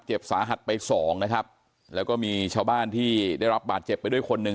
สาหัสไปสองนะครับแล้วก็มีชาวบ้านที่ได้รับบาดเจ็บไปด้วยคนหนึ่ง